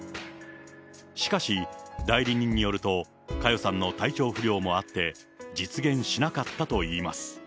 しかし、代理人によると、佳代さんの体調不良もあって、実現しなかったといいます。